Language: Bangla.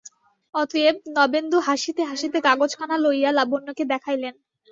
অতএব নবেন্দু হাসিতে হাসিতে কাগজখানা লইয়া লাবণ্যকে দেখাইলেন।